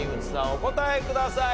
お答えください。